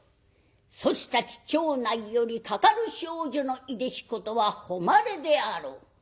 そちたち町内よりかかる少女のいでしことは誉れであろう。